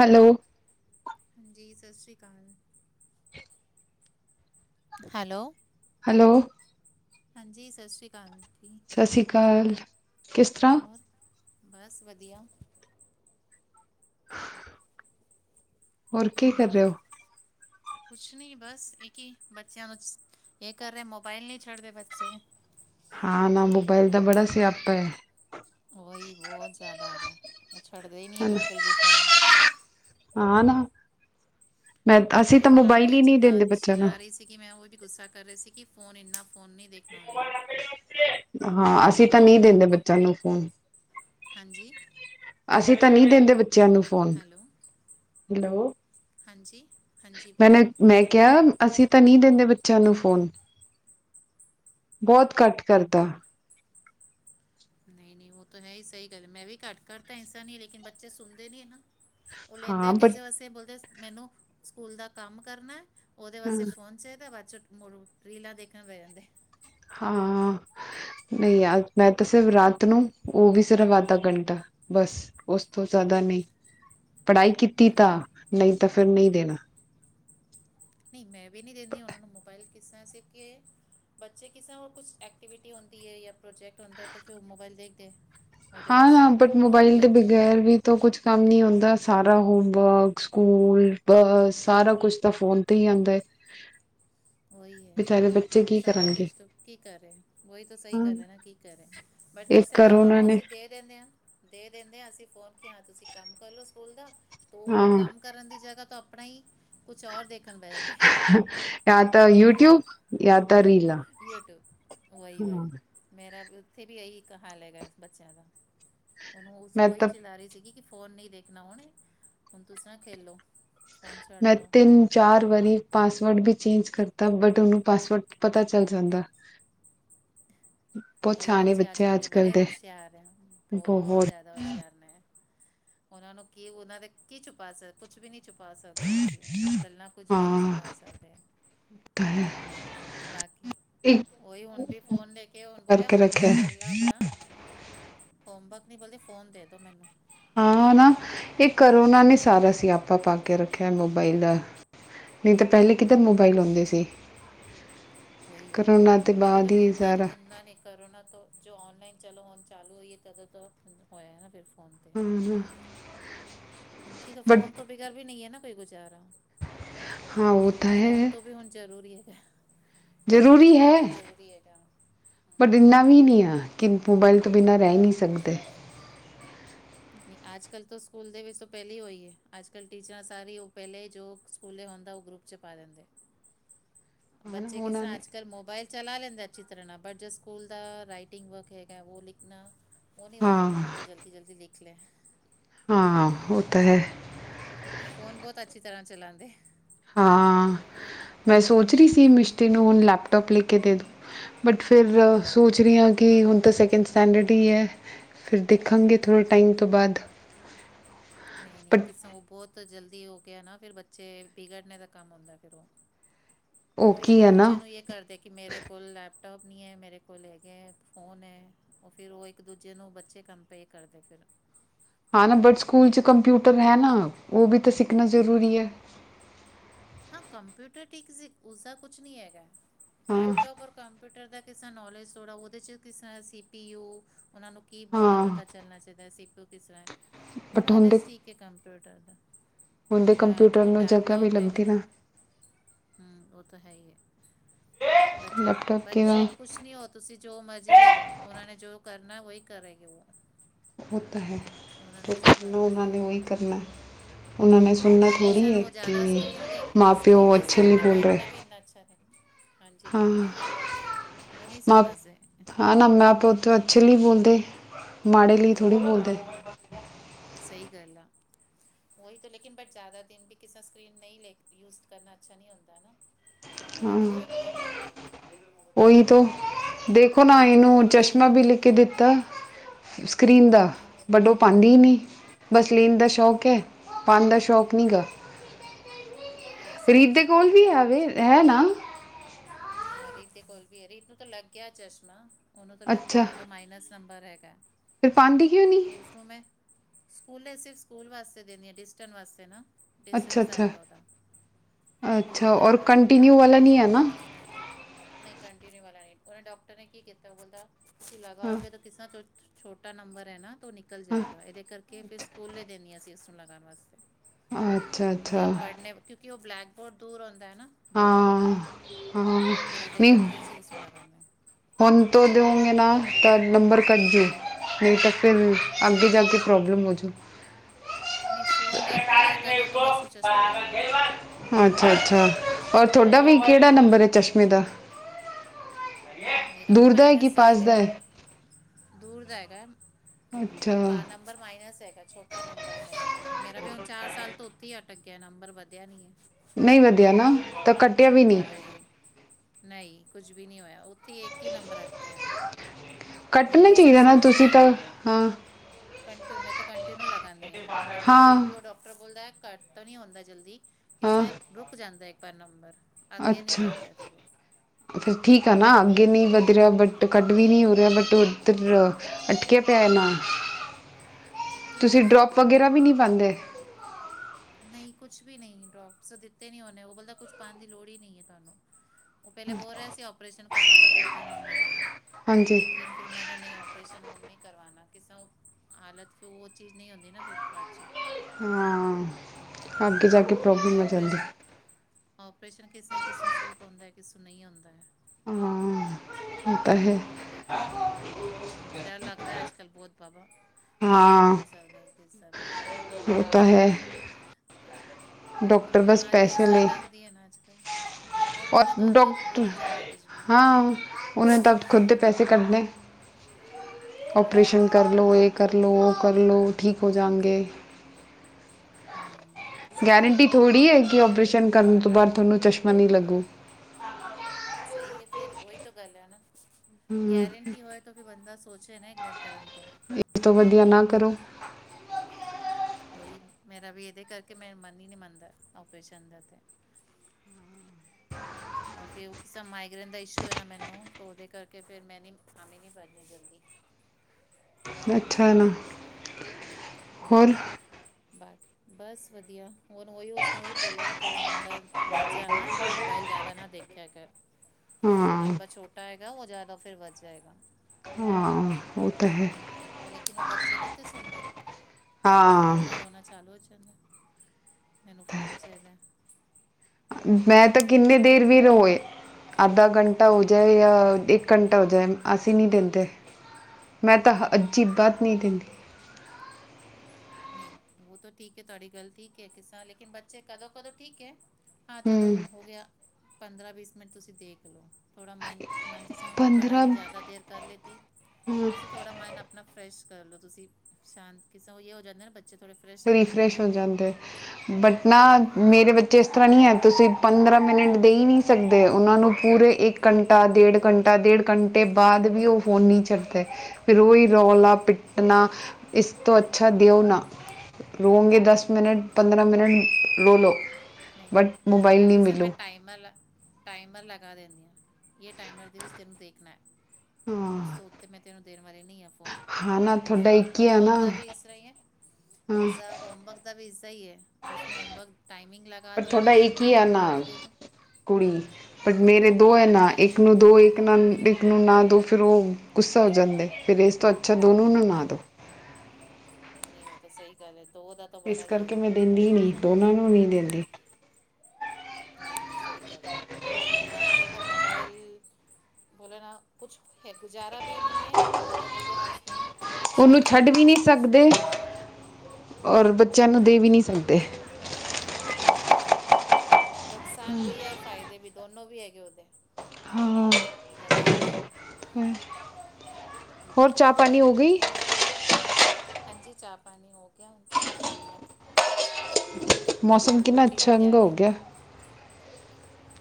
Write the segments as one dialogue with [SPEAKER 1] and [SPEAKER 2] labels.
[SPEAKER 1] Hello.
[SPEAKER 2] ਹਾਂਜੀ, ਸਤਿ ਸਿਰਿਆਂ ਅਕਾਲ। ਹੈਲੋ।
[SPEAKER 1] ਹੈਲੋ।
[SPEAKER 2] ਹਾਂਜੀ, ਸਤਿ ਸ਼੍ਰੀ ਅਕਾਲ ਜੀ।
[SPEAKER 1] ਸਤਿ ਸ੍ਰੀ ਅਕਾਲ ਕਿਸ ਤਰ੍ਹਾਂ।
[SPEAKER 2] ਬਸ ਬਸ ਵਧੀਆ ਬਸ।
[SPEAKER 1] ਕੀ ਕਰ
[SPEAKER 2] ਹੋਰ।
[SPEAKER 1] ਰਹੇ ਹੋ?
[SPEAKER 2] ਕੁਛ ਨੀ ਬਸ ਇੱਕ ਕੀ ਬੱਚਿਆਂ ਨੂੰ, ਇਹ ਕਰ ਰਹੇ, ਮੋਬਾਇਲ ਨਹੀਂ ਛੱਡਦੇ ਬੱਚੇ।
[SPEAKER 1] ਹਾਂ ਨਾ ਮੋਬਾਈਲ ਤਾਂ ਬੜਾ ਸਿਆਪਾ ਏ।
[SPEAKER 2] ਉਹ ਹੀ, ਬਹੁਤ ਜ਼ਿਆਦਾ ਹੈਗਾ, ਉਹ ਛੱਡਦੇ ਹੀ ਨਹੀਂ ਬਿਲਕੁੱਲ ਵੀ ਫ਼ੋਨ।
[SPEAKER 1] ਹਾਂ ਨਾ, ਅਸੀਂ
[SPEAKER 2] ਉਹੀ
[SPEAKER 1] ਤਾਂ
[SPEAKER 2] ਉਹਨਾਂ ਨੂੰ
[SPEAKER 1] ਮੋਬਾਇਲ
[SPEAKER 2] ਉਹੀ
[SPEAKER 1] ਹੀ ਨਹੀਂ
[SPEAKER 2] ਚਿੱਕਾ
[SPEAKER 1] ਦਿੰਦੇ ਬੱਚਿਆਂ ਨੂੰ।
[SPEAKER 2] ਚਿਲਾ ਰਹੀ ਕਿ ਸੀ ਜਿਵੇੰ ਉਹ ਵੀ ਗੁੱਸਾ ਕਰ ਰਹੇ ਸੀ ਕਿ ਫੋਨ ਇੰਨਾ ਫੋਨ ਨਹੀਂ ਦੇਖਣਾ ਹੁੰਦਾ।
[SPEAKER 1] ਹਾਂ, ਅਸੀਂ ਤਾਂ ਨਹੀਂ ਦਿੰਦੇ ਬੱਚਿਆਂ ਨੂੰ ਫੋਨ।
[SPEAKER 2] ਹਾਂਜੀ।
[SPEAKER 1] ਅਸੀਂ ਤਾਂ ਨਹੀਂ ਦਿੰਦੇ ਬੱਚਿਆਂ ਨੂੰ ਫੋਨ
[SPEAKER 2] ਹੈਲੋ
[SPEAKER 1] ਹੈਲੋ।
[SPEAKER 2] ਹਾਂਜੀ ਹਾਂਜੀ ਬੋਲਏ।
[SPEAKER 1] ਕਿ ਹਾਂ ਅਸੀਂ ਤਾਂ ਨਹੀਂ ਦਿੰਦੇ ਬੱਚਿਆਂ ਨੂੰ ਫੋਨ। ਬਹੁਤ ਘੱਟ ਕਰਤਾ।
[SPEAKER 2] ਨਹੀਂ, ਨਹੀਂ ਉਹ ਤਾਂ ਹੈ ਹੀ ਸਹੀ ਗੱਲ, ਮੈਂ ਵੀ ਘੱਟ ਕਰਤਾ ਏਸਾ ਨਹੀਂ ਲੇਕਿਨ ਬੱਚੇ ਸੁਣਦੇ ਨੀ ਨਾ। ਉਹ ਲੈਂਦੇ
[SPEAKER 1] ਹਾਂ
[SPEAKER 2] ਆ
[SPEAKER 1] ਬਟ
[SPEAKER 2] ਕਿਦੇ ਵਾਸਤੇ ਕੀ ਬੋਲਦੇ ਆ ਮੈਨੂੰ ਸਕੂਲ ਦਾ ਕੰਮ ਕਰਨਾ ਹੈ। ਉਹਦੇ ਵਾਸਤੇ ਫੋਨ ਚਾਹੀਦਾ ਬਾਅਦ ਚ, ਮੁੜ ਰੀਲਾਂ ਦੇਖਣ ਬੈਹ ਜਾਂਦੇ।
[SPEAKER 1] ਹਾਂ ਹਾਂ। ਨਹੀਂ ਯਾਰ, ਮੈਂ ਤਾਂ ਸਿਰਫ ਰਾਤ, ਨੂੰ ਉਹ ਵੀ ਸਿਰਫ ਆੱਧਾ ਘੰਟਾ ਬਸ। ਉਸ ਤੋਂ ਜਾਦਾਂ ਨਹੀਂ, ਪੜ੍ਹਾਈ ਕੀਤੀ
[SPEAKER 2] ਨਹੀਂ
[SPEAKER 1] ਤਾਂ
[SPEAKER 2] ਨਹੀਂ
[SPEAKER 1] ਨਹੀਂ, ਤਾਂ ਫੇਰ ਨਹੀਂ ਦੇਣਾ।
[SPEAKER 2] ਨਹੀਂ ਮੈਂ ਵੀ ਨਹੀਂ ਦਿੰਦੀ ਉਹਨਾਂ ਨੂੰ ਮੋਬਾਇਲ ਕਿਸ ਤਰਾਂ ਅਸੀ ਕਿਹੇ। ਬੱਚੇ ਕਿਸੇ ਤ੍ਰਹਿ ਕੁੱਛ ਐਕਟੀਵਿਟੀ ਹੁੰਦੀ ਹੈ ਜਾਂ ਪ੍ਰੋਜੈਕਟ ਹੁੰਦਾ ਹੈ, ਤਾਂ ਫਿਰ ਉਹ ਮੋਬਾਇਲ ਦੇਖਦੇ। ਉਹਦੇ
[SPEAKER 1] ਹਾਂ, ਹਾਂ
[SPEAKER 2] ਵਾਸਤੇ
[SPEAKER 1] ਬਟ ਮੋਬਾਈਲ ਦੇ
[SPEAKER 2] ਗੂਗਲ 'ਚੋਂ
[SPEAKER 1] ਬਗੈਰ ਵੀ। ਤੋਂ ਕੁਛ ਕੰਮ ਨਹੀਂ ਹੁੰਦਾ ਸਾਰਾ ਹੋਮਵਰਕ, ਸਕੂਲ, ਬੱਸ ਸਾਰਾ ਕੁਛ ਤਾਂ ਫ਼ੋਨ। ਤੇ ਹੀ ਆਂਦਾ ਹੈ ਤੇ।
[SPEAKER 2] ਉਹੀ ਹੈ। ਸਾਰਾ ਕੁਛ ਤੇ ਕੀ ਕਿਹਰਿਆ ਉਹੀ ਤਾਂ ਸਹੀ
[SPEAKER 1] ਹਾਂ
[SPEAKER 2] ਗੱਲ ਹੈ ਨਾ, ਕੀ ਕਹਿਰੇ ਬਟ
[SPEAKER 1] ਇੱਕ
[SPEAKER 2] ਕਿਸੇ ਨਾ ਉਹਨਾਂ
[SPEAKER 1] ਕਰੋਨਾ
[SPEAKER 2] ਨੂੰ
[SPEAKER 1] ਨੇ
[SPEAKER 2] ਅਸੀਂ। ਦੇ ਦਿੰਦੇ ਹਾਂ ਦੇ ਦਿੰਦੇ ਹਾਂ ਅਸੀਂ ਫੋਨ ਕਿ ਹਾਂ ਤੁਸੀਂ ਕੰਮ ਕਰਲੋ ਸਕੂਲ ਦਾ, ਤੋ
[SPEAKER 1] ਹਾਂ
[SPEAKER 2] ਉਹ ਕੰਮ। ਕਰਨ ਦੀ ਜਗ੍ਹਾ ਤੋਂ ਆਪਣਾ ਈ ਕੁਛ ਹੋਰ ਦੇਖਣ ਬੈ ਜਾਂਦੇ
[SPEAKER 1] ਯਾਂ ਤਾਂ ਯੂਟਿਊਬ ਯਾਂ ਤਾਂ ਰੀਲਾਂ
[SPEAKER 2] ਯੂਟਿਊਬ ਵਹੀ
[SPEAKER 1] ਹਾਂ
[SPEAKER 2] ਵਹੀ ਮੇਰਾ ਉੱਥੇ ਵੀ ਏਹੀ ਇੱਕ ਹਾਲ ਹੈਗਾ ਬੱਚਿਆਂ ਦਾ ਉਹਨੂੰ
[SPEAKER 1] ਮੈਂ
[SPEAKER 2] ਓਸਨੂੰ ਏ
[SPEAKER 1] ਤਾਂ
[SPEAKER 2] ਚਿੱਲਾਹ ਰਈ ਸੀਗੀ ਕਿ ਫੋਨ ਨਈ ਦੇਖਣਾ ਉਹਨੇ ਹੁਣ ਤੁਸੀਂ ਨਾ ਖੇਲੋ। ਫੋਨ ਛੱਡ
[SPEAKER 1] ਮੈ
[SPEAKER 2] ਦਿਓ
[SPEAKER 1] ਤਿਨ ਚਾਰ ਵਾਰੀ ਪਾਸਵਰਡ ਵੀ ਚੇਂਜ ਕਰਤਾ ਬਟ ਉਹਨੂੰ ਪਾਸਵਰਡ ਪਤਾ ਚੱਲ ਜਾਂਦਾ। [unintelligible] ਬਹੁਤ
[SPEAKER 2] ਓ ਈ
[SPEAKER 1] ਸਿਆਣੇ
[SPEAKER 2] ਬੱਚੇ ਅੱਜਕੱਲ੍ਹ
[SPEAKER 1] ਅੱਜ
[SPEAKER 2] ਦੇ
[SPEAKER 1] ਕੱਲ
[SPEAKER 2] ਬੜੇ ਹੁਸ਼ਿਆਰ ਐ, ਬਹੁਤ ਜਿਆਦਾ ਹੁਸ਼ਿਆਰ ਨੇ। ਉਹਨਾਂ ਨੂੰ ਕੀ ਉਹਨਾਂ ਦਾ ਕੀ ਛੁਪਾਸ ਕੁਛ ਵੀ ਨੀ। ਛੁਪਾ ਸਕਦੇ ਹੋ ਤੁਸੀਂ ਉਹਨਾ ਨੂੰ ਗੱਲਾਂ ਕੁੱਝ ਵੀ ਨੀ
[SPEAKER 1] ਹਾਂ
[SPEAKER 2] ਛੁਪਾ ਸਕਦੇ।
[SPEAKER 1] [unintelligible]
[SPEAKER 2] ਬਾਕੀ
[SPEAKER 1] ਇੱਕ
[SPEAKER 2] ਓਈ ਹੁਣ ਵੀ ਫੋਨ ਲੇ ਕੇ ਹੁਣ ਬੋਲਿਆ
[SPEAKER 1] ਕਰਕੇ ਰੱਖਿਆ
[SPEAKER 2] ਹੋਮਵਰਕ ਕਰ ਲਾ ਆਪਣਾ। ਹੋਮਵਰਕ ਨੀ ਬੋਲਦੀ ਫੋਨ ਦੇ ਦੋ ਮੈਨੂੰ
[SPEAKER 1] ਹਾਂ ਨਾ ਏ ਕਰੋਨਾ ਨੇ ਸਾਰਾ ਸਿਆਪਾ ਪਾ ਕੇ ਰੱਖਿਆ ਮੋਬਾਈਲ ਦਾ ਨਈ ਤਾਂ ਪਹਿਲੇ ਕੀਹਦੇ ਮੋਬਾਈਲ ਹੁੰਦੇ ਸੀ।
[SPEAKER 2] ਉਹੀ-ਉਹੀ
[SPEAKER 1] ਕਰੋਨਾ ਤੇ
[SPEAKER 2] ਪਹਿਲੇ
[SPEAKER 1] ਬਾਅਦ
[SPEAKER 2] ਤਾਂ
[SPEAKER 1] ਹੀ
[SPEAKER 2] ਕੀ ਨਾ
[SPEAKER 1] ਸਾਰਾ
[SPEAKER 2] ਇੰਨਾਂ ਨੇ ਕਰੋਨਾ ਤੋਂ ਜੋ ਔਨਲਾਈਨ ਚਲੋ ਹੁਣ ਚਾਲੂ ਹੋਈ ਐ, ਤਦੋਂ ਤਾਂ ਹੋਇਆ ਹੈ ਨਾ ਫਿਰ ਫੋਨ
[SPEAKER 1] ਹੂੰ-ਹੂੰ।
[SPEAKER 2] ਹੁਣ ਕਿੱਦਾ ਫੋਨ ਤੋਂ ਬਗੈਰ ਵੀ ਨਈ ਐ ਨਾ ਗੁਜ਼ਾਰਾ
[SPEAKER 1] ਹਾਂ ਉਹ ਤਾਂ
[SPEAKER 2] ਫੋਨ
[SPEAKER 1] ਹੈ
[SPEAKER 2] ਤੋਂ ਵੀ ਹੁਣ ਜ਼ਰੂਰੀ ਹੈ।
[SPEAKER 1] ਜ਼ਰੂਰੀ ਹੈ। ਬਟ ਇੰਨਾ ਵੀ ਨੀ ਆ ਕਿ ਮੋਬਾਇਲ ਤੋਂ ਬਿਨਾਂ ਰਹਿ ਈ ਨੀ ਸਕਦੇ।
[SPEAKER 2] ਨਹੀਂ, ਅੱਜਕੱਲ੍ਹ ਤਾਂ ਸਕੂਲ ਦੇ ਵਿੱਚ ਉਹ ਪਹਿਲੇ ਈ ਹੋਈ ਐ, ਅੱਜਕੱਲ੍ਹ ਟੀਚਰਾਂ ਸਾਰੇ ਹੀ ਉਹ ਪਹਿਲੇ ਹੀ ਜੋ ਸਕੂਲੇ ਹੁੰਦਾ ਉਹ ਗਰੁੱਪ ਚ ਪਾ ਦਿੰਦੇ
[SPEAKER 1] ਹਾਂ ਨਾ
[SPEAKER 2] ਬੱਚੇ ਕਿਸ
[SPEAKER 1] ਉਹਨਾਂ
[SPEAKER 2] ਤਰਾਂ
[SPEAKER 1] ਨੇ
[SPEAKER 2] ਅਜੱਕਲ੍ਹ ਮੋਬਾਇਲ ਚਲਾ ਲੈਂਦੇ ਆ ਅੱਛੀ ਤਰ੍ਹਾਂ ਨਾਲ ਬਟ ਜੋ ਸਕੂਲ ਦਾ ਰਾਈਟਿੰਗ ਵਰਕ ਹੈਗਾ ਉਹ ਲਿਖਣਾ ਉਹ ਨੀ ਹੁੰਦਾ ਕਿ ਉਹ
[SPEAKER 1] ਹਾਂ
[SPEAKER 2] ਨਾ ਤੋਂ ਜਲਦੀ-ਜਲਦੀ ਲਿਖ ਲੈ
[SPEAKER 1] ਹਾਂ ਓ ਤਾਂ ਹੈ।
[SPEAKER 2] ਫੋਨ ਬਹੁਤ ਅੱਛੀ ਤਰ੍ਹਾਂ ਚਲਾਂਦੇ।
[SPEAKER 1] ਹਾਂ ਮੈਂ ਸੋਚ ਰਹੀ ਸੀ। ਮਿਸ਼ਤੀ ਨੂੰ ਲੈਪਟੋਪ ਲੈਕੇ ਦੇਦੋ ਬਟ ਫਿਰ ਸੋਚ ਰਹੀ ਆ ਕਿ ਹੁਣ ਤਾਂ ਸੈਕਿੰਡ ਸਟੈਂਡਰਡ ਹੀ ਹੈ। ਫੇਰ ਦੇਖਾਂਗੇ ਥੋੜ੍ਹੇ ਟਾਈਮ ਤੋਂ ਬਾਅਦ।
[SPEAKER 2] ਨਈ-ਨਈ
[SPEAKER 1] ਬਟ
[SPEAKER 2] ਕਿਸਾਂ ਉਹ ਬਹੁਤ ਜਲਦੀ ਹੋ ਕੇ ਨਾ ਫਿਰ ਬੱਚੇ ਵਿਗੜਨ ਦਾ ਕੰਮ ਹੁੰਦਾ। ਫਿਰ ਉਹ
[SPEAKER 1] [unintelligible]
[SPEAKER 2] ਉਹ ਫਿਰ
[SPEAKER 1] ਕੀ
[SPEAKER 2] ਇੱਕ
[SPEAKER 1] ਹੈ ਨਾ
[SPEAKER 2] ਦੂਜੇ ਨੂੰ ਏਹ ਕਰਦੇ। ਕਿ ਮੇਰੇ ਕੋਲ ਲੈਪਟੋਪ ਨੀ ਐ, ਮੇਰੇ ਕੋਲ ਹੈਗੇ ਫੋਨ ਐਉਹ ਫਿਰ ਉਹ ਇੱਕ ਦੂਜੇ ਨੂੰ ਬੱਚੇ ਕੰਮ ਪੇ ਕਰਦੇ ਫੇਰ
[SPEAKER 1] ਹਾਂ ਨਾ ਬਟ ਸਕੂਲ ਚ ਕੰਪਿਊਟਰ ਹੈ ਨਾ ਓ ਵੀ ਤਾਂ ਸਿੱਖਣਾ ਜ਼ਰੂਰੀ ਐ
[SPEAKER 2] ਹਾਂ ਕੰਪਿਊਟਰ ਠੀਕ ਸੀ। ਓਸ ਦਾ ਕੁਛ ਨੀ ਹੈਗਾ
[SPEAKER 1] ਹਾਂ
[SPEAKER 2] ਲੈਪਟੋਪ ਔਰ ਕੰਮ ਕੰਪਿਊਟਰ ਦਾ ਕਿਸ ਤਰਾ ਨੌਲੇਜ ਥੋੜ੍ਹਾ ਉਹਦੇ ਕਿਸੇ ਸੀਪੀ ਯੂ ਉਹਨਾ ਨੂੰ ਕੀ ਬੋਰਡ ਦਾ
[SPEAKER 1] ਹਾਂ
[SPEAKER 2] ਪਤਾ ਚੱਲਣਾ ਚਾਈਦਾ, ਸੀ ਪੀ ਯੂ ਕਿਸ ਤਰਾਂ ਏ ਉਹ
[SPEAKER 1] ਬਟ
[SPEAKER 2] ਨਾਲੇ
[SPEAKER 1] ਹੁੰਦੇ
[SPEAKER 2] ਠੀਕ ਇਹ ਕੰਪਊਟਰ ਦਾ
[SPEAKER 1] ਹੁੰਦੇ ਕੰਪਿਊਟਰ ਨੂੰ ਜਗ੍ਹਾ ਵੀ ਲੱਗਦੀ ਨਾ
[SPEAKER 2] ਹੂੰ, ਓਹ ਤਾਂ ਹੈ ਹੈ ਈ ਆ, ਬੱਚੇ ਨੂੰ
[SPEAKER 1] ਲੈਪਟੋਪ
[SPEAKER 2] ਬੱਚੇ
[SPEAKER 1] ਕਿਵੇਂ
[SPEAKER 2] ਕੁਛ ਨੀ ਹੋ ਤੁਸੀਂ ਜੋ ਮਰਜ਼ੀ ਲੈ ਦੋ। ਉਹਨਾਂ ਨੇ ਜੋ ਕਰਨਾ ਉਹੀ ਕਰੇਗੇ
[SPEAKER 1] ਉਹ ਤਾਂ ਹੈ।
[SPEAKER 2] ਉਹਨਾਂ
[SPEAKER 1] ਜੋ
[SPEAKER 2] ਨੇ
[SPEAKER 1] ਕਰਨਾ
[SPEAKER 2] ਹੈ
[SPEAKER 1] ਉਹਨਾਂ ਨੇ ਉਹੀ ਕਰਨਾ ਉਹਨਾਂ ਨੇ ਸੁਣਨਾ
[SPEAKER 2] ਬਟ ਕਿਸੇ
[SPEAKER 1] ਥੋੜ੍ਹੀ ਹੈ
[SPEAKER 2] ਨੂੰ ਉਹ ਜ਼ਿਆਦਾ
[SPEAKER 1] ਕਿ
[SPEAKER 2] ਸਕਰੀਨ ਦੇ
[SPEAKER 1] ਮਾਂ
[SPEAKER 2] ਸਕਰੀਨ
[SPEAKER 1] ਪਿਓ
[SPEAKER 2] ਦੇ
[SPEAKER 1] ਅੱਛੇ ਲਈ
[SPEAKER 2] ਸਾਹਮਣੇ
[SPEAKER 1] ਬੋਲ ਰਹੇ
[SPEAKER 2] ਬੈਠਣਾ ਵੀ ਏਨਾ ਅੱਛਾ ਹੈਗਾ। ਹਾਂਜੀ ਨਹੀਂ
[SPEAKER 1] ਹਾਂ
[SPEAKER 2] ਉਹ ਤਾਂ ਹੈ ਈ ਐ, ਉਹ ਨੀ ਸਮਝਦੇ।
[SPEAKER 1] ਹੈ, ਨਾ ਮਾਂ ਪਿਉ ਤੋ ਅੱਛੇ ਲਈ ਬੋਲਦੇ ਮਾੜੇ ਲਈ ਥੋੜ੍ਹੀ ਬੋਲਦੇ
[SPEAKER 2] ਹੂੰ ਸਹੀ ਗੱਲ ਆ। ਉਹੀ ਤਾਂ ਲੇਕਿਨ ਬਟ ਜ਼ਿਆਦਾ ਦਿਨ ਵੀ ਕਿਸੇ ਸਕਰੀਨ ਨਹੀਂ ਲਈ ਯੂਜ ਕਰਨਾ ਅੱਛਾ ਨਹੀਂ ਹੁੰਦਾ ਨਾ। ਅੱਖਾਂ ਤੇ ਇਫੈਕਟ ਪੈਂਦਾ ਫਿਰ ਉਹ
[SPEAKER 1] ਉਹੀ ਤੇ ਦੇਖ [inaudible]
[SPEAKER 2] ਅੱਜ ਕੱਲ੍ਹ
[SPEAKER 1] ਨੂੰ
[SPEAKER 2] ਕਿੰਨੇ
[SPEAKER 1] ਚਸ਼ਮਾ
[SPEAKER 2] ਛੋਟੇ
[SPEAKER 1] ਵੀ ਲੈ
[SPEAKER 2] ਛੋਟੇ
[SPEAKER 1] ਕੇ ਦਿੱਤਾ ਸਕਰੀਨ ਦਾ
[SPEAKER 2] ਹਾਂਜੀ।
[SPEAKER 1] ਬਟ ਉਹ ਪਾਂਦੀ ਨਹੀਂ
[SPEAKER 2] ਹੂੰ
[SPEAKER 1] ਬਸ ਲੇਣ ਦਾ ਸ਼ੌਂਕ ਹੈ ਪਾਣ ਦਾ ਸ਼ੌਕ ਨਹੀਂ ਹੈਗਾ।
[SPEAKER 2] ਉਹੀ ਹੈ ਸਾਰੀ
[SPEAKER 1] ਰੀਤ ਦੇ
[SPEAKER 2] ਜਗ੍ਹਾ
[SPEAKER 1] ਕੋਲ
[SPEAKER 2] ਉਹੀ
[SPEAKER 1] ਵੀ
[SPEAKER 2] ਗੱਲ
[SPEAKER 1] ਹੈਵੇ
[SPEAKER 2] ਬੱਚਿਆਂ ਨੂੰ
[SPEAKER 1] ਹੈ ਨਾ।
[SPEAKER 2] ਹਾਂ ਰੀਤ ਦੇ ਕੋਲ ਵੀ ਹੈ ਰੀਤ ਨੂੰ ਤਾਂ ਲੱਗ ਗਿਆ ਚਸ਼ਮਾਂ ਉਹਨੂੰ ਤਾਂ ਲੱਗ
[SPEAKER 1] ਅੱਛਾ
[SPEAKER 2] ਗਿਆ ਉਹਦਾ
[SPEAKER 1] ਫਿਰ
[SPEAKER 2] ਮਾਈਨਸ ਨੰਬਰ ਹੈਗਾ
[SPEAKER 1] ਪਾਉਂਦੀ ਕਿਉਂ ਨਹੀਂ
[SPEAKER 2] ਉਸ ਓ ਮੈਂ ਸਕੂਲੇ ਸਿਰਫ ਸਕੂਲ ਵਾਸਤੇ ਦਿੰਦੀ ਹ ਡਿਸਟਨ ਵਾਸਤੇ ਨਾ
[SPEAKER 1] ਅੱਛਾ
[SPEAKER 2] ਡਿਸਟੈਂਸ
[SPEAKER 1] ਅੱਛਾ
[SPEAKER 2] ਆਏਗਾ ਉਹਦਾ
[SPEAKER 1] ਅੱਛਾ
[SPEAKER 2] ਦੂਰ ਦਾ
[SPEAKER 1] ਔਰ
[SPEAKER 2] ਹੈਗਾ ਉਹਦਾ
[SPEAKER 1] ਕੰਟੀਿਨਿਊ ਵਾਲਾ ਨਹੀਂ ਹੈ ਨਾ।
[SPEAKER 2] ਨਹੀਂ ਕੰਟੀਨਿਊ ਵਾਲਾ ਨਹੀਂ ਉਹਨੇ ਡਾਕਟਰ ਨੇ ਕੀ ਕੀਤਾ ਉਹ ਬੋਲਦਾ ਤੁਸੀਂ ਲਗਾ
[SPEAKER 1] ਹਾਂ
[SPEAKER 2] ਹੋਗੇ ਤਾਂ ਕਿਸਾਂ ਤੋਂ ਛੋਟਾ ਨੰਬਰ ਹੈ ਨਾ ਤੋ ਉਹ ਨਿਕਲ ਜਾਏਗਾ ਇਹਦੇ ਕਰਕੇ ਫਿਰ ਸਕੂਲੇ ਦਿੰਦੀ ਅਸੀਂ ਉਸਨੂੰ ਲਗਾਉਣ ਵਾਸਤੇ
[SPEAKER 1] ਹਾਂ ਅੱਛਾ ਅੱਛਾ
[SPEAKER 2] ਜਾਂ ਪੜ੍ਹਨ ਕਿਉਕਿ ਉਹ ਬਲੈਕ ਬੋਰਡ ਦੂਰ ਹੁੰਦਾ ਹੈ ਨਾ।
[SPEAKER 1] ਹਾਂ-ਹਾਂ
[SPEAKER 2] ਤੇ ਉਹਦੇ ਕਰਕੇ ਅਸੀਂ ਉਸਨੂੰ ਲਗਾਂਦੇ ਆ।
[SPEAKER 1] ਹੁਣ ਤੋਂ ਦੇਊਂਗੇ ਨਾ ਤਾਂ ਨੰਬਰ ਕੱਟ ਜਓ ਨਹੀਂ ਤਾਂ ਫਿਰ ਅੱਗੇ ਜਾ ਕੇ ਪ੍ਰੋਬਲਮ ਹੋਜੂ।
[SPEAKER 2] ਨਹੀਂ ਫੋਨ ਦੇਖਦੀ ਹੈ ਤਦੋਂ ਤਾਂ ਮੈਂ ਉਸ ਨੂੰ ਚਸ਼ਮਾ ਦੇਣੀ ਆ
[SPEAKER 1] [unintelligible] ਅੱਛਾ-ਅੱਛਾ ਔਰ ਤੁਹਾਡਾ
[SPEAKER 2] ਫੋਨ ਦੇ
[SPEAKER 1] ਵੀ
[SPEAKER 2] ਟਾਈਮ
[SPEAKER 1] ਕਿਹੜਾ
[SPEAKER 2] ਤੇ
[SPEAKER 1] ਨੰਬਰ ਹੈ ਚਸ਼ਮੇ ਦਾ
[SPEAKER 2] ਮੇਰਾ ਵੀ
[SPEAKER 1] ਦੂਰ ਦਾ ਹੈ ਕਿ
[SPEAKER 2] ਮਾਈਨਸ ਹੀ
[SPEAKER 1] ਪਾਸ
[SPEAKER 2] ਹੈਗਾ
[SPEAKER 1] ਦਾ ਹੈ।
[SPEAKER 2] ਦੂਰ ਦਾ ਹੈਗਾ।
[SPEAKER 1] ਅੱਛਾ
[SPEAKER 2] ਬਣਵਾਇਆ ਸੀ ਹੈਗਾ ਛੋਟਾ ਨੰਬਰ ਮੇਰਾ ਵੀ ਮੇਰਾ ਵੀ ਹੁਣ ਚਾਰ ਸਾਲ ਤੋਂ ਉਥੇ ਹੀ ਅਟਕ ਗਿਆ ਨੰਬਰ ਵਧਿਆ ਨਹੀਂ ਹੈ।
[SPEAKER 1] ਨਹੀਂ ਵਧੀਆ ਨਾ ਤਾਂ ਘ
[SPEAKER 2] ਨਹੀਂ-ਨਹੀਂ ਕੁੱਝ ਵੀ ਨਹੀਂ ਹੋਇਆ ਉੱਥੇ ਇੱਕ ਹੀ ਨੰਬਰ ਅਟਕਿਆ ਹੋਆ।
[SPEAKER 1] ਕੱਟਣਾ ਚਾਹੀਦਾ ਨਾ ਤੁਸੀਂ ਤਾਂ ਅ
[SPEAKER 2] ਕੰਟਿਨਿਊ ਮੈਂ ਤਾਂ ਕੰਟੀਿਨਿਊ ਲਗਾਣੀ ਹਾਂ ਲੇਕਿਨ
[SPEAKER 1] ਹਾਂ
[SPEAKER 2] ਫਿਰ ਵੀ ਉਹ ਡਾ ਡਾਕਟਰ ਬੋਲਦਾ ਘੱਟ ਤਾਂ ਨਹੀਂ ਹੁੰਦਾ ਜਲਦੀ
[SPEAKER 1] ਹਾਂ
[SPEAKER 2] ਕਿਸੇ ਰੁਕ ਜਾਂਦਾ ਇੱਕ ਵਾਰ ਨੰਬਰ ਅੱਗੇ ਨਹੀਂ
[SPEAKER 1] ਅੱਛਾ
[SPEAKER 2] ਵੱਧਦਾ ਫਿਰ ਉਹ
[SPEAKER 1] ਫਿਰ ਠੀਕ ਆ ਨਾ ਅੱਗੇ ਨਹੀਂ ਵੱਧ ਰਿਹਾ ਬਟ ਘੱਟ
[SPEAKER 2] ਹੂੰ
[SPEAKER 1] ਘੱਟ ਵੀ ਨਹੀਂ ਹੋ ਰਿਹਾ ਬੱਟ ਉੱਧਰ ਅਟਕੇ ਪਿਆ ਏ ਨਾ।
[SPEAKER 2] ਹੁਣ ਕੀ
[SPEAKER 1] ਤੁਸੀਂ
[SPEAKER 2] ਕਰ ਸਕਦੇ
[SPEAKER 1] ਡਰੋਪ
[SPEAKER 2] ਹੋ ਹੁਣ
[SPEAKER 1] ਵਗੈਰਾ ਵੀ ਨੀ ਪਾਂਦੇ।
[SPEAKER 2] ਨਹੀਂ ਕੁਛ ਵੀ ਨਹੀਂ ਡਰੋਪਸ ਦਿੱਤੇ ਨੇ ਉਹਨੇ ਉ ਬੋਲਦਾ ਕੁਛ ਪਾਉਣ ਦੀ ਲੋੜ ਹੀ ਨਹੀਂ ਹੈ ਤੁਹਾਨੂੰ ਓਹ ਪਹਿਲੇ ਬੋਲ ਰਿਹਾ ਸੀ ਔਪਰੇਸ਼ਨ ਕਰਵਾ ਲੋ ਛੋਟਾ ਨੰਬਰ ਹੈਗਾ
[SPEAKER 1] ਹਾਂਜੀ
[SPEAKER 2] ਲੇਕਿਨ ਫਿਰ ਮੈਂ ਨਾ ਨਹੀਂ ਓਪਰੇਸ਼ਨ ਹੁਣ ਨਹੀਂ ਕਰਵਾਂਣਾ ਕਿਸ ਤਰ ਹਾਲਤ ਫਿਰ ਉਹ ਚੀਜ਼ ਨਹੀਂ ਹੁੰਦੀ ਨਾ ਫਿਰ ਬਾਅਦ 'ਚੋਂ
[SPEAKER 1] ਹਾਂ। ਅੱਗੇ ਜਾ ਕੇ
[SPEAKER 2] ਉਹ
[SPEAKER 1] ਪ੍ਰੋਬਲਮ ਆ ਜਾਂਦੀ
[SPEAKER 2] ਓਪਰੇਸ਼ਨ-ਓਪਰੇਸ਼ਨ ਕਿਸੇ ਕਿਸਨੂੰ ਸੂਟ ਹੁੰਦਾ ਹੈ ਕਿਸਨੂੰ ਨਹੀਂ ਹੁੰਦਾ।
[SPEAKER 1] ਹਾਂ ਇਹ ਤਾ ਹੈ।
[SPEAKER 2] ਏਦੇ ਕਰਕੇ ਡਰ ਲੱਗਦਾ ਅੱਜ-ਕੱਲ੍ਹ ਬੌਤ ਬਾਬਾ ਕੁਛ ਨੀ ਬੋਲ ਸਕ [unintelligible]
[SPEAKER 1] ਇਹ ਤਾ ਹੈ।
[SPEAKER 2] ਕਿਉਂਕਿ
[SPEAKER 1] ਡਾਕਟਰ ਬਸ
[SPEAKER 2] ਬਿਮਾਰੀਆਂ
[SPEAKER 1] ਪੈਸੇ
[SPEAKER 2] ਏਸਾ
[SPEAKER 1] ਲਈ
[SPEAKER 2] ਲੱਗਦੀਆਂ ਨ ਅੱਜ-ਕੱਲ
[SPEAKER 1] ਔਰ ਡੋਕ ਟਰ
[SPEAKER 2] ਕੁਝ ਵੀ,
[SPEAKER 1] ਹਾਂ ਹੁਣੇ ਤਕ ਖੁਦ ਦੇ ਪੈਸੇ ਕੱਢਣੇ। ਓਪਰੇਸ਼ਨ
[SPEAKER 2] ਉਹੀ।
[SPEAKER 1] ਕਰ ਲਉ ਏਹ ਕਰ ਲੋ ਉਹ ਕਰ ਲੋ ਠੀਕ ਹੋ ਜਾਣਗੇ।
[SPEAKER 2] ਹੂੰ। ਸਹੀ ਗੱਲ
[SPEAKER 1] ਗੈਰੇੰਟੀ
[SPEAKER 2] ਹੈ,
[SPEAKER 1] ਥੋੜ੍ਹੀ ਹੈਗੀ ਏ ਓਪਰੇਸ਼ਨ ਕਰਨ ਤੋਂ ਬਾਦ ਥੋਨੂੰ ਚਸ਼ਮਾ ਨਹੀਂ ਲੱਗੂ।
[SPEAKER 2] ਸਹੀ ਏ ਫੇਰ ਓਹੀ ਤੋਂ ਗੱਲ ਹੈ ਨਾ ਗੈਰੇੰਟੀ ਹੋਏ। ਤਾ ਕੀ ਬੰਦਾ ਸੋਚੇ ਨਾ ਇੱਕ ਵਾਰ ਕਰਨ ਤੋਂ
[SPEAKER 1] ਇਸ ਤੋਂ ਵਧੀਆ ਨਾ ਕਰੋ।
[SPEAKER 2] ਵਹੀ ਮੇਰਾ ਵੀ ਇਦੇ ਕਰਕੇ ਮੇਰ ਮੰਨ ਹੀ ਨੀ ਓਪਰੇਸ਼ਨ ਦਾ ਤੇ ਔਰ ਫੇਰ ਉਹ ਕਿਸੇ ਆ ਮਾਈਗ੍ਰੇਨ ਦਾ ਇਸ਼ੂ ਏਨਾ ਮੈਨੂੰ ਤੋ ਉਦੇ ਕਰਕੇ ਫਿਰ ਮੈਂ ਨੀ ਹਾਮੀ ਨੀ ਭਰਦੀ ਜਲਦੀ।
[SPEAKER 1] ਅੱਛਾ ਨਾ। ਹੋਰ
[SPEAKER 2] [unintelligible] ਬਸ ਵਦੀਆ ਹੁਨ ਓਈ ਉਸਨੂੰ ਓਈ ਬੋਲੇਆ ਤੇਰਾ ਨੰਬਰ ਵਜੇਨਾ ਤੁ ਮੋਬਾਈਲ ਜੈਦਾ ਨਾ ਦੇਖਆ ਕਰ, ਓ ਜੋ
[SPEAKER 1] ਹਾਂ
[SPEAKER 2] ਨੰਬਰ ਛੋ ਛੋਟਾ ਹੈਗਾ ਜਾਦਾ ਫੇਰ ਬਚ ਜਾਏਗਾ।
[SPEAKER 1] ਹਾਂ। ‌ ਓ‌ਤਾ ਹੈ।
[SPEAKER 2] ਓ ਲੇਕਿਨ ਓ ਬੱਚੇ ਕਿੱਥੇ ਸੁਨਦੇ, ਓ
[SPEAKER 1] ਹਾਂ,
[SPEAKER 2] ਰੋਨਾ-ਰੋਨਾ ਚਾਲੂ ਹੋ ਜਾਂਦੇ। ਮੈਨੂੰ ਫੋਨ ਚਾਈਦਾ।
[SPEAKER 1] ਮੈਂ ਤੇ ਕਿੰਨੀ ਦੇਰ ਵੀ ਰੋਏ ਅੱਧਾ ਘੰਟਾ ਹੋਜਾਏ ਯਾ ਏਕ ਘੰਟਾ ਹੋਜਾਏ ਅਸੀ ਨੀ ਦੇਂਦੇ। ਮੈਂ ਤਾ
[SPEAKER 2] ਨਹੀਂ
[SPEAKER 1] ਅਜੀਬਾਤ ਨੀ ਦੇੰਦੀ।
[SPEAKER 2] ਨਈ ਓ ਤਾ ਠੀਕ ਐ ਤੋਆਡੀ ਗੱਲ ਠੀਕ‌ ਐ ਕਿਸ ਤਰਾਂ ਲੇਕਿਨ ਬੱਚੇ ਕਦੋਂ-ਕਦੋਂ ਠੀਕ ਏ। ਹਾਂ, ਜਦੋਂ
[SPEAKER 1] ਹੂੰ,
[SPEAKER 2] ਹੋਗੇਆ ਪੰਦਰਾਂ ਬੀਸ ਮਿੰਟ ਤੁਸੀ ਦੇਖ ਥੋੜਾ ਲੋ ਮਨ ਹਾਂਜੀ ਸਾਉੰਡੀ ਦੀ
[SPEAKER 1] ਪੰਦਰਾਂ
[SPEAKER 2] ਪੜਾਈ ਜੈਦਾ ਦੇਰ ਕਰ ਲਿੱਤੀ, ਤੁਸੀ ਥੋੜਾ ਮਨ ਅ ਆਪਨਾ ਫਰੈਸ਼ ਕਰਲੋ ਤੁਸੀ ਸ਼ਾਂਤ ਕਿਸਾਂ ਓਈਓ ਹੋ ਜਾਂਦਾ ਨਾ ਬੱਚੇ ਥੋੜੇ ਫਰੈਸ਼ ਹੋ ਜਾਂਦੇ
[SPEAKER 1] ਰਿਫਰੈਸ਼
[SPEAKER 2] ਦੇਖ
[SPEAKER 1] ਹੋ
[SPEAKER 2] ਨੇ
[SPEAKER 1] ਜਾਂਦੇ ਬਟ ਨਾ, ਮੇਰੇ ਬ [unintelligible] ਏਸ ਤਰਾਂ ਨੀ ਐ, ਤੁਸੀ ਪੰਦਰਾਂ ਮਿੰਨਟ ਦੇ ਈ ਨੀ ਸਕਦੇ, ਓਨਾਂ ਨੂੰ ਪੂਰੇ ਏਕ ਘੰ ਘੰਟਾ, ‌ ਡੇਢ-ਘੰਟਾ‌ ਡੇਢ-ਘੰਟੇ ਬਾਦ ਵੀ ਓ ਫੋਨ ਨੀ ਚੱਕਦੇ। ਫਿਰ ਓਈ ਰੋਲਾ ਪਿੱਟਨਾ ਏਸ ਤੋ ਅੱਛਾ ਦੇਓ ਨਾ। ਰੋਂਗੇ ਦਸ ਮਿੰਟ, ਪੰਦਰਾਂ ਮਿੰਟ ਰੋਲੋ।
[SPEAKER 2] ਨਈ ਮੇਰਾ ਕਿਸਤਾ ਮੈਂ ਟਾਈਮ ਆਲਾ ਟਾਈਮਰ ਲਗਾ ਦੇਨੀ ਆ ਯੇ ਟਾਈਮਰ ਦੇ ਵਿੱਚ ਤੈਨੂੰ ਦੇਖਨੈ, ਉਸ ਤੋ
[SPEAKER 1] ਹਾਂ
[SPEAKER 2] ਉੱਤੇ ਮੈਂ ਤੈਨੂੰ ਦੇਨ ਵਾਲੇ ਨੀ ਆ ਫੋਨ।
[SPEAKER 1] ਹਾਂ ਨਾ ਤੁਹਾਡਾ
[SPEAKER 2] ਉਸਦਾ
[SPEAKER 1] ਇੱਕ ਹੀ ਆ
[SPEAKER 2] ਹੋਮਬਕ
[SPEAKER 1] ਨਾ
[SPEAKER 2] ਦਾ ਵੀ ਇਸਤਰਾਂ ਈਏ,
[SPEAKER 1] ਹਾਂ
[SPEAKER 2] ਉਸਦਾ ਹੋਮਬਕ ਦਾ ਵੀ ਇਸਤਾ ਈ ਏ ਉਸਨੂੰ ਹੋਮਵਕ ਟਾਈਮਿੰਗ ਲਗਾ
[SPEAKER 1] ਪਰ
[SPEAKER 2] ਦੋ,
[SPEAKER 1] ਤੁਹਾਡਾ ਇੱਕ ਹੀ ਆ
[SPEAKER 2] ਟਾਈਮਿੰਗ ਲਾਕੇ
[SPEAKER 1] ਨਾ
[SPEAKER 2] ਦੇਦੋ
[SPEAKER 1] ਕੁੜੀ ਬਟ ਮੇਰੇ ਦੋ ਐਨਾ
[SPEAKER 2] ਕਰ
[SPEAKER 1] ਇੱਕ
[SPEAKER 2] ਲਈਏ।
[SPEAKER 1] ਨੂੰ ਦੋ ਇੱਕ ਨਾ ਏਕ ਨੂੰ ਨਾ ਦੋ ਫੇਰ ਓ ਗੁੱਸਾ ਹੋ ਜਾਂਦੇ ਫੇਰ ਏਸ ਤੋ ਅੱਛਾ ਦੋਨੋਂ ਨੂੰ ਨਾ ਦੋ।
[SPEAKER 2] ਨਈ ਓ ਤੋ ਸਈ ਗੱਲ ਐ, ਦੋ ਦਾ ਤਾਂ
[SPEAKER 1] ਏਸ
[SPEAKER 2] ਬੜਾ ਹੀ
[SPEAKER 1] ਕਰਕੇ ਮੈਂ
[SPEAKER 2] ਹੁੰਦਾ
[SPEAKER 1] ਦੇਂਦੀ ਨੀ
[SPEAKER 2] ਸਭਾ।
[SPEAKER 1] ਦੋਨਾਂ ਨੂੰ ਨਈ ਦੇੰਦੀ।
[SPEAKER 2] ਨਈ ਸਈ ਗੱਲ ਐ, ਨਈ ਅੱਜ-ਕੱਲ ਤਾ ਮੋਬਾਇਲ ਖੋਲੋ ਨਾ ਕੁਛ ਹੈ ਗੁਜ਼ਾਰਾ ਵੀ ਨੀ ਐ, ਓਰ ਬੋਲਦੇ ਨਾ ਉਸਨੂੰ
[SPEAKER 1] ਓਨੂੰ
[SPEAKER 2] ਸਾਈਡ ਇਫੈਕਟ
[SPEAKER 1] ਛੱਡ ਵੀ ਨੀ
[SPEAKER 2] ਬਹੁਤ ਹੈ ਉਸਦੇ,
[SPEAKER 1] ਸਕਦੇ, ਓਰ ਬੱਚੇਆਂ ਨੂੰ ਦੇ ਵੀ ਨੀ ਸਕਦੇ।
[SPEAKER 2] ਓਈ ਨੁਕਸਾਨ ਬੀ ਐ ਓਰ ਫਾਇਦੇ ਵੀ ਦੋਨੋਂ ਵੀ ਹੈਗੇ ਓਦੇ। ਮੋਬਾਈਲ ਦੇ
[SPEAKER 1] ਹੂੰ।
[SPEAKER 2] ਕੀ ਕਰ ਰੇ ਕੀ ਪਤਾ ਐ ਕੋਨ, ਹਾਂਜੀ ਚਾ ਪਾਨੀ ਹੋਗੇਆ ਸ਼ਾਮ ਦਾ
[SPEAKER 1] ਮੋਸਮ
[SPEAKER 2] ਹੁਣ
[SPEAKER 1] ਕਿੰਨਾ
[SPEAKER 2] ਰੋਟੀ ਦੀ
[SPEAKER 1] ਅੱਛਾ ਅਂਦਾ
[SPEAKER 2] ਤਿਆਰੀ
[SPEAKER 1] ਹੋਗੇਆ।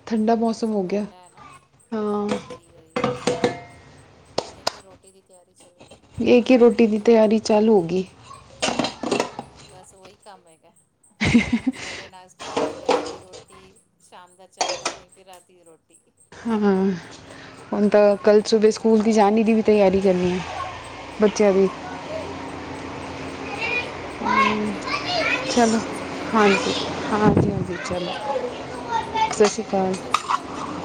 [SPEAKER 1] ਠੰਡਾ
[SPEAKER 2] ਹਮ
[SPEAKER 1] ਮੋਸਮ ਹੋਗੇਆ, ਹਾਂ।
[SPEAKER 2] ਜੀ ਓਈ, ਹੁਨੇ ਕੀ ਰੋਟੀ ਦੀ ਤੇਆਰੀ ਚੱਲਰੀ ਐ।
[SPEAKER 1] ਯੇ ਕਿ ਰੋਟੀ ਦੀ ਤੇਆਰੀ ਚਾਲ ਹੋਗੀ।
[SPEAKER 2] ਬਾੱਸ ਓਈ ਕਾੰਮ ਹੈਗਾ।
[SPEAKER 1] [inaudible]
[SPEAKER 2] ਸਵੇਰੇ ਨਾਸ਼ਤਾ, ਦੁਪੈਰ ਦੀ ਰੋਟੀ, ਸ਼ਾਮ ਦਾ ਚਾ ਪਾਣੀ, ਫੇਰ ਰਾਤੀ ਰੋਟੀ।
[SPEAKER 1] ਹਾਂ, ਹੁਨ ਤਾ ਕੱਲ ਸੁਬੇ
[SPEAKER 2] ਉਹੀ
[SPEAKER 1] ਸਕੂਲ ਦੀ
[SPEAKER 2] ਕੰਮ
[SPEAKER 1] ਜਾਨੀ ਦੀ ਵੀ ਤੇਆਰੀ ਕਰਨੀ ਐ, ਬੱਚੇਆਂ ਦੀ
[SPEAKER 2] ਓਈ ਹੁਨ ਬੇ ਓਈ-ਓਈ। ਚਲੋ ਠੀਕ ਏ ਫੇਰ ਕਰ
[SPEAKER 1] ਚਲੋ
[SPEAKER 2] ਲੋ ਤੁਸੀ ਤੇਆਰੀਆਂ,
[SPEAKER 1] ਹਾਂਜੀ ਹਾਂਜੀ ਚਲੋ
[SPEAKER 2] ਹਾਂਜੀ ਠੀਕ ਏ।
[SPEAKER 1] ਸਤਿ ਸ਼੍ਰੀ
[SPEAKER 2] ਓਕੇ
[SPEAKER 1] ਅਕਾਲ
[SPEAKER 2] ਸਸ਼੍ਰੀ ਕਾਲ ਜੀ।